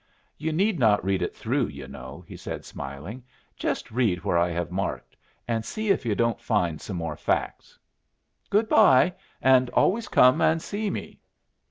"You need not read it through, you know," he said, smiling; "just read where I have marked, and see if you don't find some more facts. Goodbye and always come and see me."